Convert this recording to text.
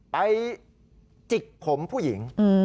จิกผมผู้หญิง